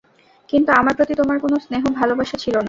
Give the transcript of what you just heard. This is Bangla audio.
কিন্তু আমার প্রতি তোমার কোন স্নেহ-ভালোবাসা ছিলো না।